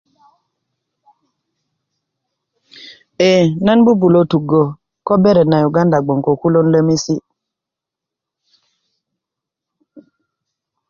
eeh nan 'bu'bulö tuggö ko beret na yuganda gboŋ ko kulon lemesi